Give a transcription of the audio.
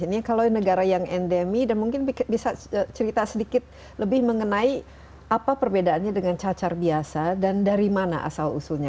ini kalau negara yang endemi dan mungkin bisa cerita sedikit lebih mengenai apa perbedaannya dengan cacar biasa dan dari mana asal usulnya